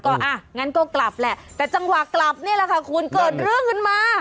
ก็อ่ะงั้นก็กลับแหละแต่จังหวะกลับนี่แหละค่ะคุณเกิดเรื่องขึ้นมา